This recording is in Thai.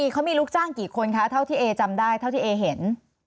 เขามีลูกจ้างกี่คนคะเท่าที่เอจำได้เท่าที่เอเห็น